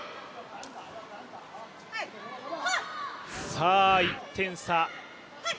さあ、１点差。